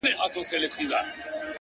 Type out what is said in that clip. كه په رنگ باندي زه هر څومره تورېږم;